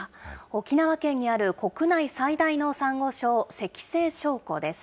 沖縄県にある国内最大のサンゴ礁、石西礁湖です。